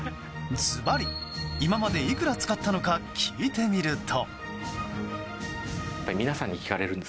ずばり、今までいくら使ったのか聞いてみると。